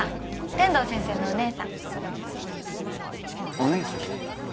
天堂先生のお姉さんお姉さん？